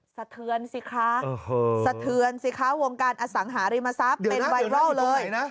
สะเทือนสิคะสะเทือนสิคะวงการอสังหาริมทรัพย์เป็นไวรัลเลย